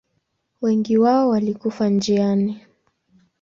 Wengi wao walikufa njiani.